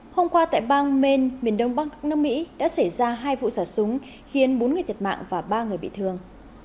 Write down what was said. hôm qua tại bang maine miền đông bang các nước mỹ đã xảy ra hai vụ sả súng khiến bốn người thiệt mạng và ba người bị thương